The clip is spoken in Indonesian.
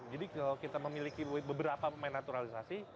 jadi kalau kita memiliki beberapa pemain naturalisasi